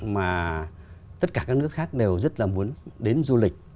mà tất cả các nước khác đều rất là muốn đến du lịch